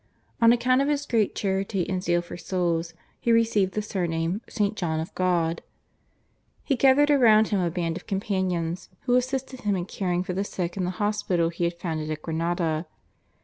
On account of his great charity and zeal for souls he received the surname, St. John of God. He gathered around him a band of companions who assisted him in caring for the sick in the hospital he had founded at Granada.